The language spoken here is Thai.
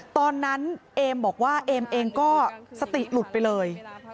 เอมบอกว่าเอมเองก็สติหลุดไปเลย